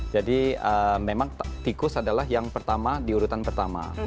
jadi memang tikus adalah yang pertama diurutan pertama